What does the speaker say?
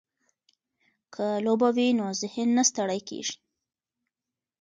که لوبه وي نو ذهن نه ستړی کیږي.